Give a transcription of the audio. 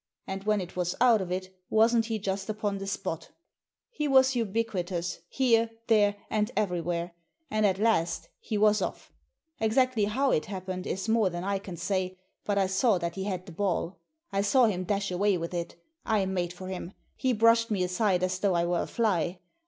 And when it was Digitized by VjOOQIC THE FIFTEENTH MAN 167 out of it, wasn't he just upon the spot He was ubiquitous — ^here, there, and everywhere. And at last he was off. Exactly how it happened is more than I can say, but I saw that he had the ball. I saw him dash away with it I made for him. He brushed me aside as though I were a fly.